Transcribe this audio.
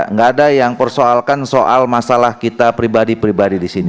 nggak ada yang persoalkan soal masalah kita pribadi pribadi di sini